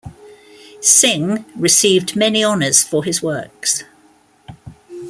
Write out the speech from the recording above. Synge received many honours for his works.